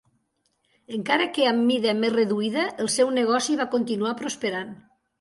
Encara que amb mida més reduïda, el seu negoci va continuar prosperant.